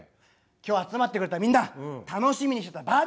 「今日集まってくれたみんな楽しみにしてたバーベキューだけども」。